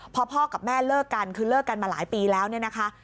พอพ่อกับแม่เลิกกันคือเลิกกันมาหลายปีแล้วเนี่ยนะคะ